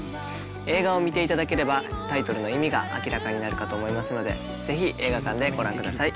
映画を見て頂ければタイトルの意味が明らかになるかと思いますのでぜひ映画館でご覧ください。